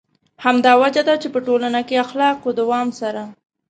همدا وجه ده چې په ټولنه کې اخلاقو دوام سره.